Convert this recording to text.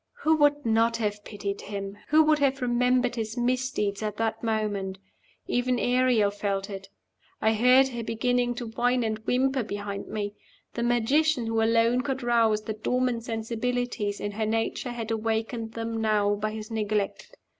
Who would not have pitied him? Who would have remembered his misdeeds at that moment? Even Ariel felt it. I heard her beginning to whine and whimper behind me. The magician who alone could rouse the dormant sensibilities in her nature had awakened them now by his neglect.